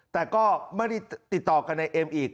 แต่ก็ไม่ได้ติดต่อกันในเอ็มอีก